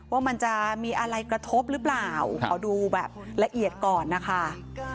ว่ามันจะมีอะไรกระทบหรือเปล่าขอดูแบบละเอียดก่อนนะคะ